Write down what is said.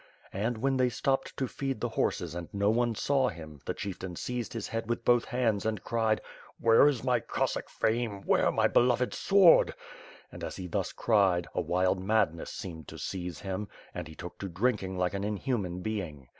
And, w^hen they stopped to feed the horses and no one saw him the chieftain seized his head with both hands and cried: "Where is my Cossack fame? Where my beloved sword?" and, as he thtis cried, a wild madness seemed to seize him, and he took to drinking like an inhuman being.